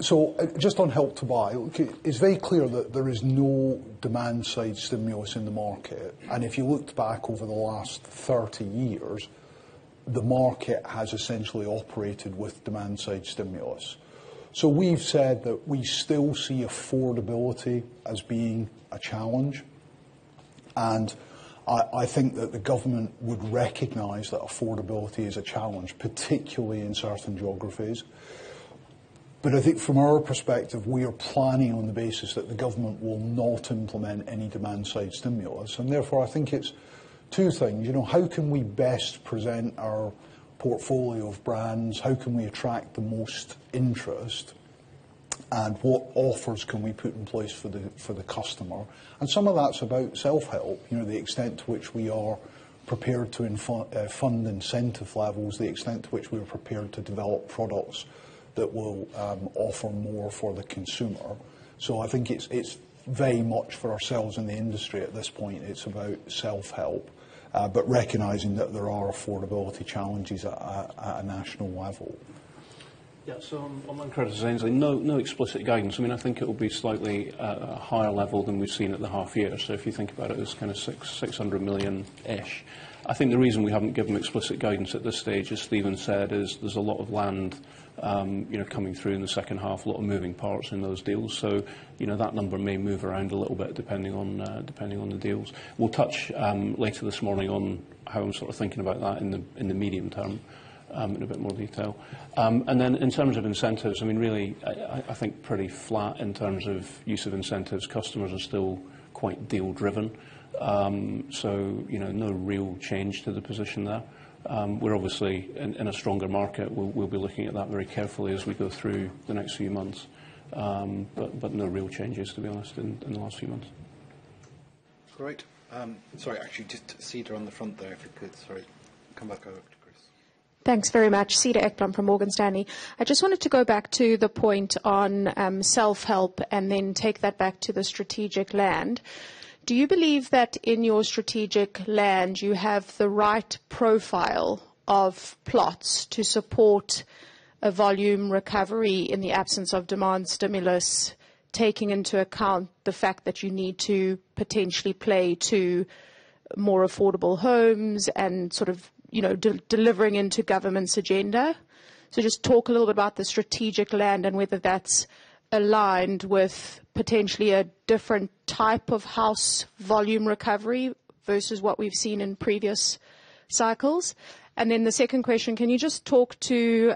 So just on Help to Buy, it's very clear that there is no demand-side stimulus in the market. And if you looked back over the last 30 years, the market has essentially operated with demand-side stimulus. So we've said that we still see affordability as being a challenge. And I think that the government would recognize that affordability is a challenge, particularly in certain geographies. But I think from our perspective, we are planning on the basis that the government will not implement any demand-side stimulus. And therefore, I think it's two things. How can we best present our portfolio of brands? How can we attract the most interest? What offers can we put in place for the customer? And some of that's about self-help, the extent to which we are prepared to fund incentive levels, the extent to which we are prepared to develop products that will offer more for the consumer. So I think it's very much for ourselves in the industry at this point. It's about self-help, but recognizing that there are affordability challenges at a national level. Yeah, so on land creditors' end, no explicit guidance. I mean, I think it will be slightly at a higher level than we've seen at the half year. So if you think about it as kind of 600 million-ish, I think the reason we haven't given explicit guidance at this stage, as Steven said, is there's a lot of land coming through in the second half, a lot of moving parts in those deals. So that number may move around a little bit depending on the deals. We'll touch later this morning on how I'm sort of thinking about that in the medium term in a bit more detail. And then in terms of incentives, I mean, really, I think pretty flat in terms of use of incentives. Customers are still quite deal-driven. So no real change to the position there. We're obviously in a stronger market. We'll be looking at that very carefully as we go through the next few months. But no real changes, to be honest, in the last few months. Great. Sorry, actually, just Cedar on the front there, if you could. Sorry. Come back over to Chris. Thanks very much. Cedar Ekblom from Morgan Stanley. I just wanted to go back to the point on self-help and then take that back to the strategic land. Do you believe that in your strategic land, you have the right profile of plots to support a volume recovery in the absence of demand stimulus, taking into account the fact that you need to potentially play to more affordable homes and sort of delivering into government's agenda? So just talk a little bit about the strategic land and whether that's aligned with potentially a different type of house volume recovery versus what we've seen in previous cycles. And then the second question, can you just talk to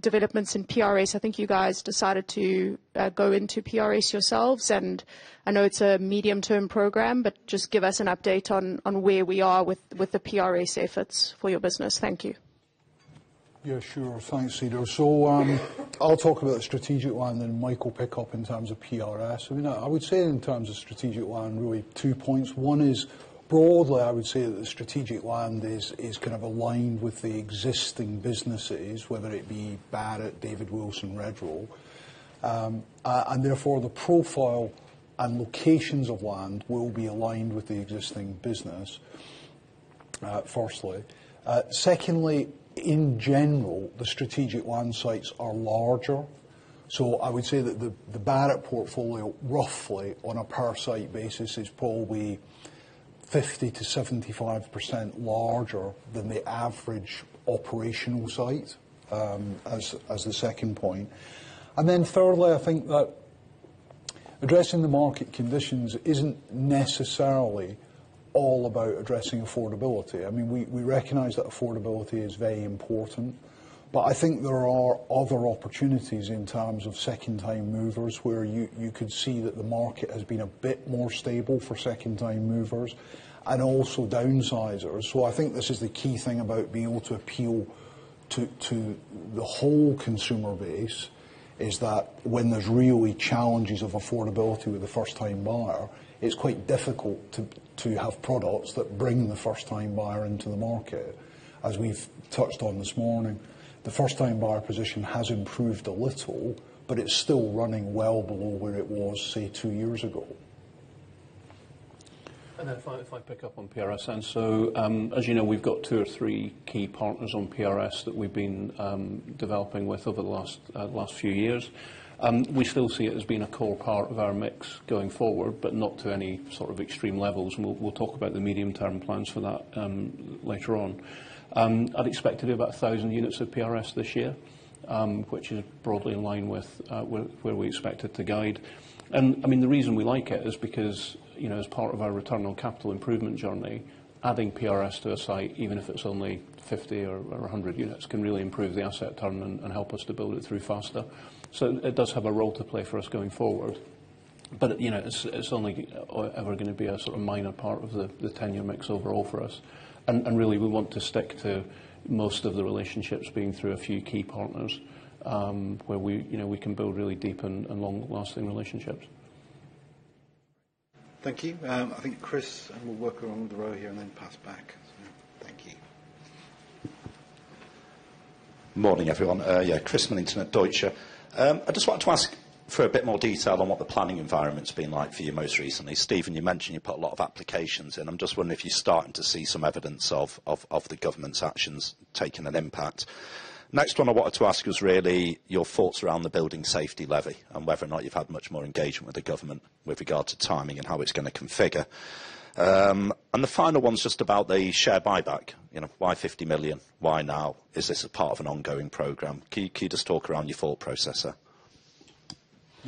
developments in PRS? I think you guys decided to go into PRS yourselves. I know it's a medium-term program, but just give us an update on where we are with the PRS efforts for your business. Thank you. Yeah, sure. Thanks, Cedar. So I'll talk about the strategic land and then Mike will pick up in terms of PRS. I mean, I would say in terms of strategic land, really two points. One is broadly, I would say that the strategic land is kind of aligned with the existing businesses, whether it be Barratt, David Wilson, Redrow. And therefore, the profile and locations of land will be aligned with the existing business, firstly. Secondly, in general, the strategic land sites are larger. So I would say that the Barratt portfolio, roughly on a per-site basis, is probably 50% to 75% larger than the average operational site, as the second point. And then thirdly, I think that addressing the market conditions isn't necessarily all about addressing affordability. I mean, we recognize that affordability is very important, but I think there are other opportunities in terms of second-time movers where you could see that the market has been a bit more stable for second-time movers and also downsizers. So I think this is the key thing about being able to appeal to the whole consumer base is that when there's really challenges of affordability with the first-time buyer, it's quite difficult to have products that bring the first-time buyer into the market. As we've touched on this morning, the first-time buyer position has improved a little, but it's still running well below where it was, say, two years ago. And then if I pick up on PRS, and so as you know, we've got two or three key partners on PRS that we've been developing with over the last few years. We still see it as being a core part of our mix going forward, but not to any sort of extreme levels. We'll talk about the medium-term plans for that later on. I'd expect to be about 1,000 units of PRS this year, which is broadly in line with where we expect it to guide. And I mean, the reason we like it is because as part of our return on capital improvement journey, adding PRS to a site, even if it's only 50 or 100 units, can really improve the asset turn and help us to build it through faster. So it does have a role to play for us going forward. But it's only ever going to be a sort of minor part of the tenure mix overall for us. And really, we want to stick to most of the relationships being through a few key partners where we can build really deep and long-lasting relationships. Thank you. I think Chris will work around the row here and then pass back. Thank you. Morning, everyone. Yeah, Chris from Deutsche. I just wanted to ask for a bit more detail on what the planning environment's been like for you most recently. Steven, you mentioned you put a lot of applications in. I'm just wondering if you're starting to see some evidence of the government's actions taking an impact. Next one I wanted to ask was really your thoughts around the Building Safety Levy and whether or not you've had much more engagement with the government with regard to timing and how it's going to configure. And the final one's just about the share buyback. Why 50 million? Why now? Is this a part of an ongoing program? Can you just talk around your thought process there?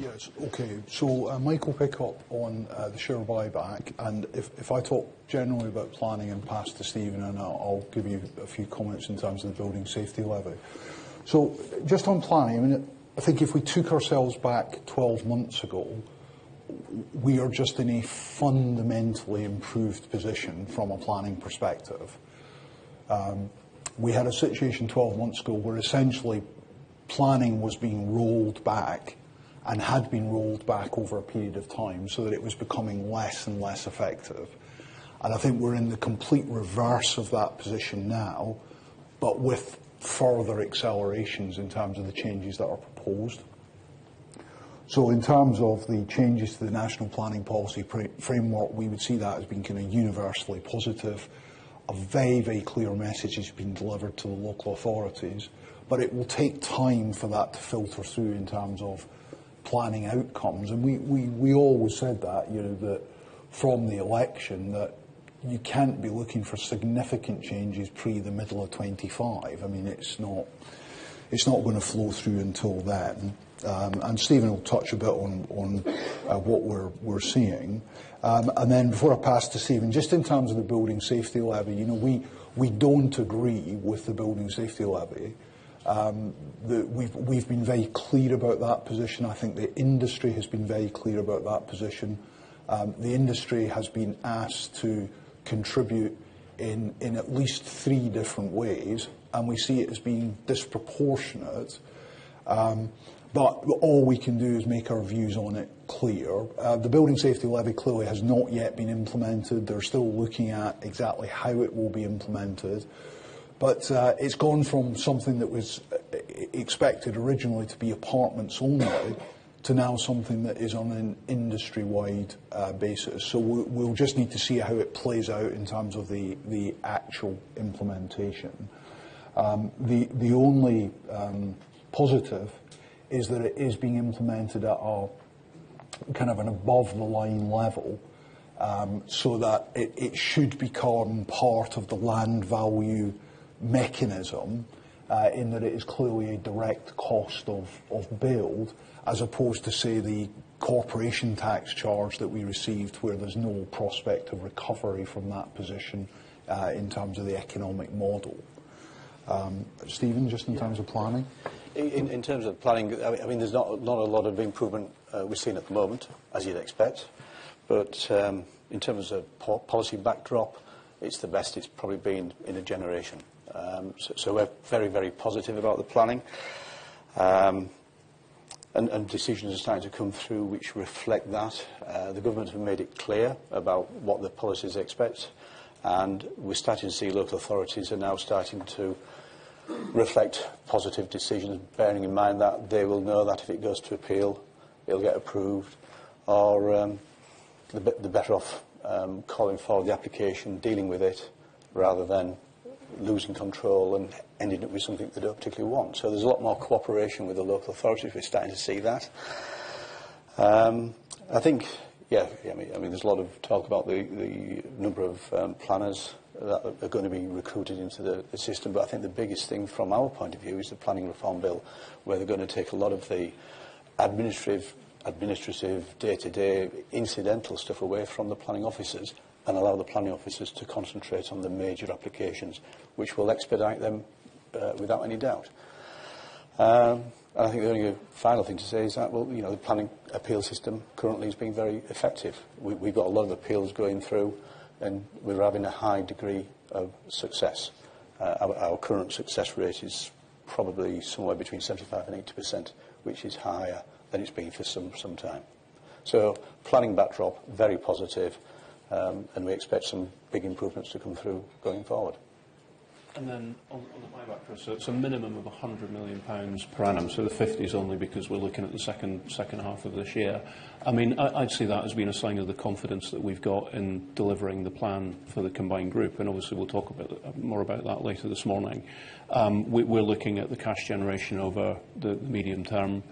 Yes. Okay. So Mike will pick up on the share buyback, and if I talk generally about planning and pass to Steven, and I'll give you a few comments in terms of the Building Safety Levy. So just on planning, I mean, I think if we took ourselves back 12 months ago, we are just in a fundamentally improved position from a planning perspective. We had a situation 12 months ago where essentially planning was being rolled back and had been rolled back over a period of time so that it was becoming less and less effective, and I think we're in the complete reverse of that position now, but with further accelerations in terms of the changes that are proposed. So in terms of the changes to the National Planning Policy Framework, we would see that as being kind of universally positive. A very, very clear message has been delivered to the local authorities, but it will take time for that to filter through in terms of planning outcomes, and we always said that from the election that you can't be looking for significant changes pre the middle of 2025. I mean, it's not going to flow through until then, and Steven will touch a bit on what we're seeing, and then before I pass to Steven, just in terms of the Building Safety Levy, we don't agree with the Building Safety Levy. We've been very clear about that position. I think the industry has been very clear about that position. The industry has been asked to contribute in at least three different ways, and we see it as being disproportionate, but all we can do is make our views on it clear. The building safety levy clearly has not yet been implemented. They're still looking at exactly how it will be implemented. But it's gone from something that was expected originally to be apartments only to now something that is on an industry-wide basis. So we'll just need to see how it plays out in terms of the actual implementation. The only positive is that it is being implemented at kind of an above-the-line level so that it should become part of the land value mechanism in that it is clearly a direct cost of build as opposed to, say, the corporation tax charge that we received where there's no prospect of recovery from that position in terms of the economic model. Steven, just in terms of planning? In terms of planning, I mean, there's not a lot of improvement we've seen at the moment, as you'd expect. But in terms of policy backdrop, it's the best it's probably been in a generation. So we're very, very positive about the planning. And decisions are starting to come through which reflect that. The government has made it clear about what the policies expect. And we're starting to see local authorities are now starting to reflect positive decisions, bearing in mind that they will know that if it goes to appeal, it'll get approved. Or they're better off calling in the application, dealing with it rather than losing control and ending up with something that they don't particularly want. So there's a lot more cooperation with the local authorities. We're starting to see that. I think, yeah, I mean, there's a lot of talk about the number of planners that are going to be recruited into the system. But I think the biggest thing from our point of view is the planning reform bill where they're going to take a lot of the administrative day-to-day incidental stuff away from the planning officers and allow the planning officers to concentrate on the major applications, which will expedite them without any doubt. And I think the only final thing to say is that, well, the planning appeal system currently is being very effective. We've got a lot of appeals going through, and we're having a high degree of success. Our current success rate is probably somewhere between 75% and 80%, which is higher than it's been for some time. So planning backdrop, very positive. And we expect some big improvements to come through going forward. And then on the buyback, so it's a minimum of 100 million pounds per annum. So the 50 is only because we're looking at the second half of this year. I mean, I'd see that as being a sign of the confidence that we've got in delivering the plan for the combined group. And obviously, we'll talk more about that later this morning. We're looking at the cash generation over the medium term.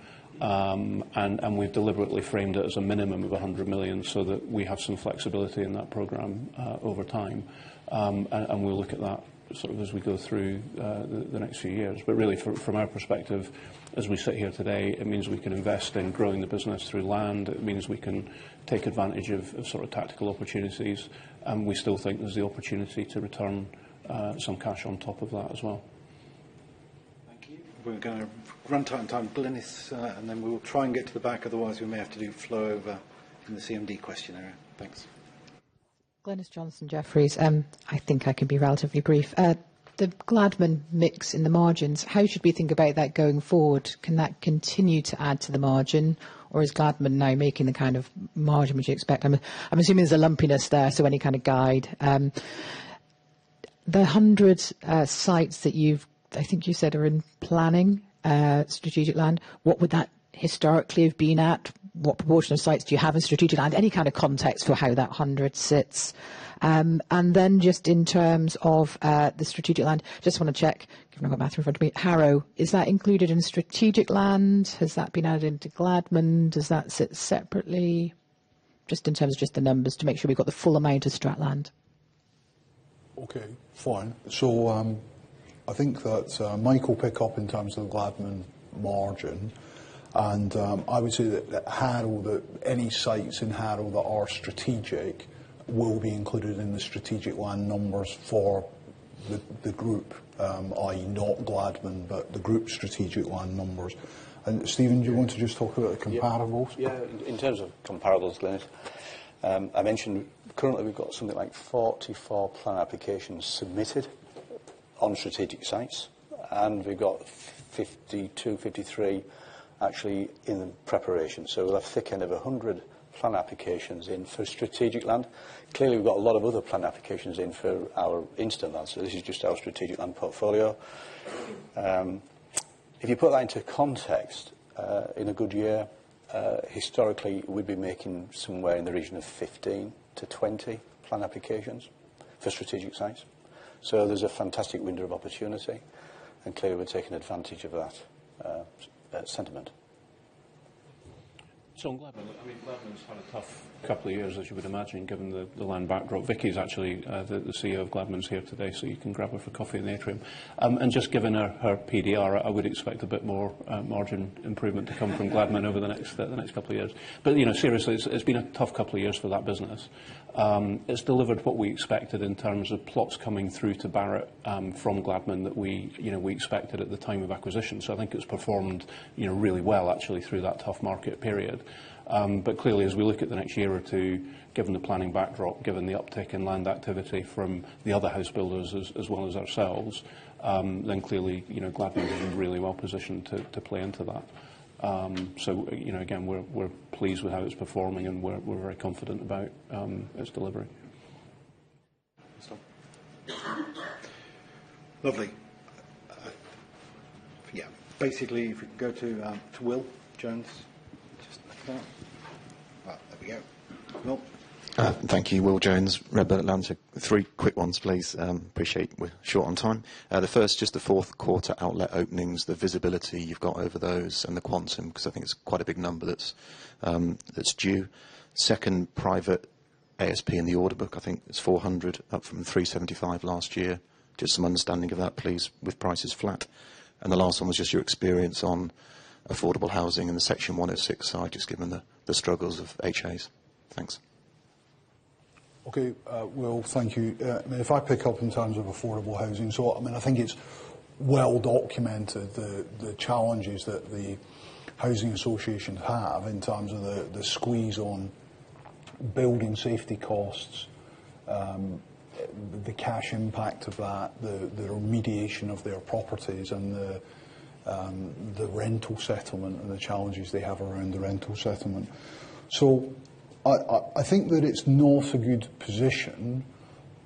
And we've deliberately framed it as a minimum of 100 million so that we have some flexibility in that program over time. And we'll look at that sort of as we go through the next few years. But really, from our perspective, as we sit here today, it means we can invest in growing the business through land. It means we can take advantage of sort of tactical opportunities. We still think there's the opportunity to return some cash on top of that as well. Thank you. We're going to run tight on time. Glynis, and then we will try and get to the back. Otherwise, we may have to do overflow in the CMD questionnaire. Thanks. Johnson, Jefferies. I think I can be relatively brief. The Gladman mix in the margins, how should we think about that going forward? Can that continue to add to the margin? Or is Gladman now making the kind of margin which you expect? I'm assuming there's a lumpiness there, so any kind of guide. The 100 sites that you've, I think you said, are in planning strategic land. What would that historically have been at? What proportion of sites do you have in strategic land? Any kind of context for how that 100 sits? And then just in terms of the strategic land, just want to check. I've not got Matthew in front of me. Harrow, is that included in strategic land? Has that been added into Gladman? Does that sit separately? Just in terms of just the numbers to make sure we've got the full amount of strat land. Okay. Fine. So I think that Mike will pick up in terms of the Gladman margin. And I would say that Harrow, any sites in Harrow that are strategic will be included in the strategic land numbers for the group, i.e., not Gladman, but the group strategic land numbers. And Steven, do you want to just talk about the comparables? Yeah. In terms of comparables, Glynis, I mentioned currently we've got something like 44 planning applications submitted on strategic sites, and we've got 52, 53 actually in preparation. So we'll have the thick end of 100 planning applications in for strategic land. Clearly, we've got a lot of other planning applications in for our infill land. So this is just our strategic land portfolio. If you put that into context, in a good year, historically, we'd be making somewhere in the region of 15-20 planning applications for strategic sites. So there's a fantastic window of opportunity, and clearly, we're taking advantage of that sentiment. Gladman, I mean, Gladman's had a tough couple of years, as you would imagine, given the land backdrop. Vicky's actually the CEO of Gladman's here today, so you can grab her for coffee in the atrium. Just given her PDR, I would expect a bit more margin improvement to come from Gladman over the next couple of years. Seriously, it's been a tough couple of years for that business. It's delivered what we expected in terms of plots coming through to Barratt from Gladman that we expected at the time of acquisition. I think it's performed really well, actually, through that tough market period. Clearly, as we look at the next year or two, given the planning backdrop, given the uptick in land activity from the other house builders as well as ourselves, then clearly, Gladman has been really well positioned to play into that. So again, we're pleased with how it's performing, and we're very confident about its delivery. Lovely. Yeah. Basically, if we can go to Will Jones. Just look at that. There we go. Nope. Thank you. Will Jones, Redburn Atlantic. Three quick ones, please. Appreciate we're short on time. The first, just the fourth quarter outlet openings, the visibility you've got over those, and the quantum, because I think it's quite a big number that's due. Second, private ASP in the order book, I think it's 400, up from 375 last year. Just some understanding of that, please, with prices flat. And the last one was just your experience on affordable housing in the Section 106 side, just given the struggles of HAs. Thanks. Okay. Well, thank you. If I pick up in terms of affordable housing, so I mean, I think it's well documented, the challenges that the housing associations have in terms of the squeeze on building safety costs, the cash impact of that, the remediation of their properties, and the rental settlement, and the challenges they have around the rental settlement. So I think that it's not a good position,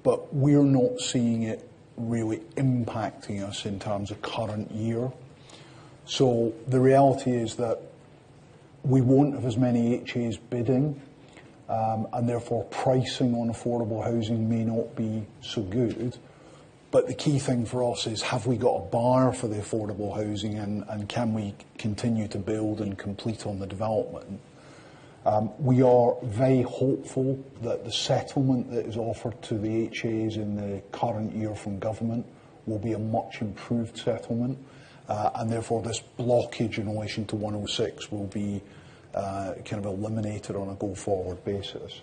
but we're not seeing it really impacting us in terms of current year. So the reality is that we won't have as many HAs bidding, and therefore, pricing on affordable housing may not be so good. But the key thing for us is, have we got a buyer for the affordable housing, and can we continue to build and complete on the development? We are very hopeful that the settlement that is offered to the HAs in the current year from government will be a much improved settlement, and therefore, this blockage in relation to 106 will be kind of eliminated on a go-forward basis.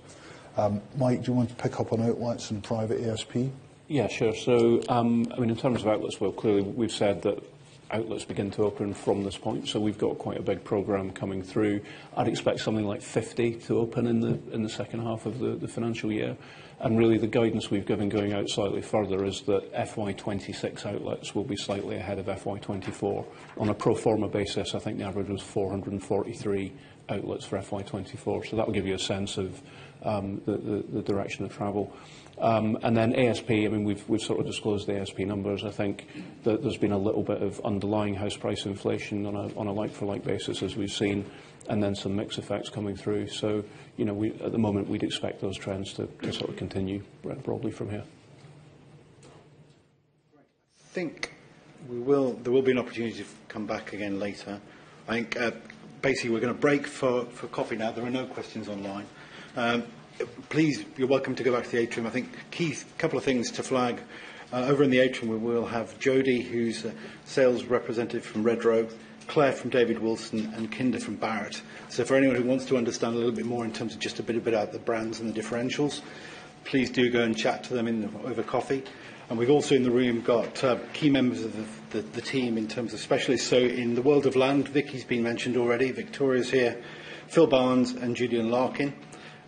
Mike, do you want to pick up on outlets and private ASP? Yeah, sure. So I mean, in terms of outlets, well, clearly, we've said that outlets begin to open from this point. So we've got quite a big program coming through. I'd expect something like 50 to open in the second half of the financial year. And really, the guidance we've given going out slightly further is that FY26 outlets will be slightly ahead of FY24. On a pro forma basis, I think the average was 443 outlets for FY24. So that will give you a sense of the direction of travel. And then ASP, I mean, we've sort of disclosed the ASP numbers. I think there's been a little bit of underlying house price inflation on a like-for-like basis, as we've seen, and then some mixed effects coming through. So at the moment, we'd expect those trends to sort of continue probably from here. I think there will be an opportunity to come back again later. I think basically, we're going to break for coffee now. There are no questions online. Please, you're welcome to go back to the atrium. I think, Keith, a couple of things to flag. Over in the atrium, we will have Jody, who's a sales representative from Redrow, Claire from David Wilson, and Kinder from Barratt. So for anyone who wants to understand a little bit more in terms of just a bit about the brands and the differentials, please do go and chat to them over coffee, and we've also in the room got key members of the team in terms of specialists, so in the world of land, Vicky's been mentioned already. Victoria's here. Phil Barnes and Julian Larkin.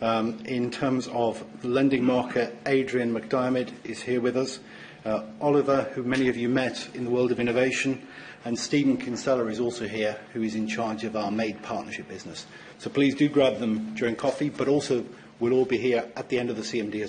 In terms of the lending market, Adrian MacDiarmid is here with us. Oliver, who many of you met in the world of innovation. And Stephen Kinsella is also here, who is in charge of our MADE Partnership business. So please do grab them during coffee. But also, we'll all be here at the end of the CMD.